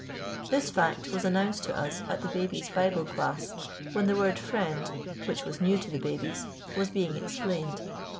This fact was announced to us at the babies' Bible class, when the word "friend," which was new to the babies, was being explained.